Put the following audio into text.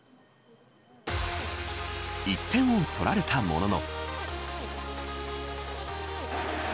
１点を取られたものの。